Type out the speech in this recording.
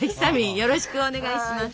よろしくお願いします。